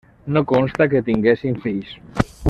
No consta que tinguessin fills.